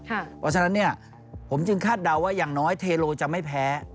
เพราะฉะนั้นผมจึงคาดเดาว่าอย่างน้อยเทโลจะไม่แพ้